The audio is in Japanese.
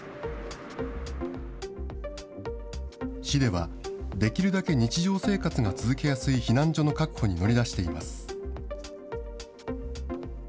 市では、できるだけ日常生活が続けやすい避難所の確保に乗り出しています。